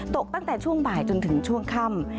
ตกตั้งแต่ช่วงบ่ายจนถึงช่วงค่ำ